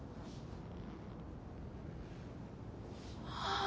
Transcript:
ああ。